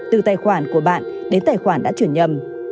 từ tài khoản của bạn đến tài khoản đã chuyển nhầm